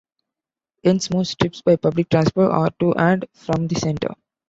Hence most trips by public transport are to and from the centre.